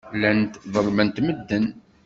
Llant ḍellment medden.